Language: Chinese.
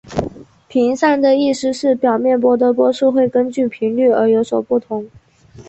频散的意思是表面波的波速会根据频率而有所不同。